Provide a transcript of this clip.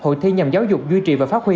hội thi nhằm giáo dục duy trì và phát huy